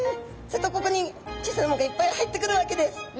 するとここに小さな藻がいっぱい入ってくるわけです。